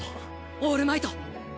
オールマイト！